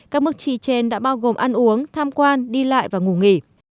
các mức chi trên đã bao gồm ăn uống tham quan đi lại và ngủ nghỉ